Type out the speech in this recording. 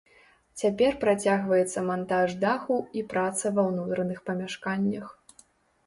Цяпер працягваецца мантаж даху і праца ва ўнутраных памяшканнях.